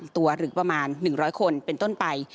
ตัวหรือประมาณ๑๐๐คนเป็นต้นไป